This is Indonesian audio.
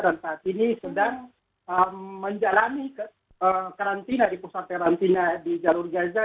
dan saat ini sedang menjalani karantina di pusat karantina di jalur gaza